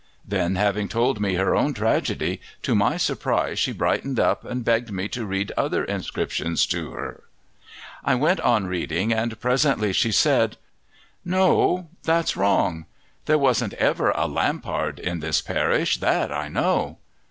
Then, having told me her own tragedy, to my surprise she brightened up and begged me to read other inscriptions to her. I went on reading, and presently she said, "No, that's wrong. There wasn't ever a Lampard in this parish. That I know."